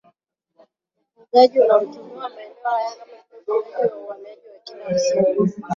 ufugaji unaotumiwa maeneo haya kama vile ufugaji wa uhamaji wa kila msimu